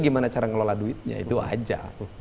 gimana cara ngelola duitnya itu aja